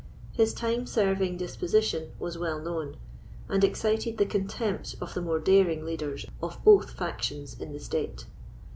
His time serving disposition was well known, and excited the contempt of the more daring leaders of both factions in the state.